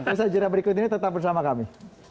usaha jenah berikut ini tetap bersama kami